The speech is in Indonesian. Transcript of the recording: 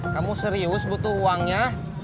kamu serius butuh uangnya